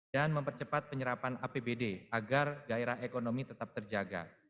dan mempercepat penyerapan apbd agar daerah ekonomi tetap terjaga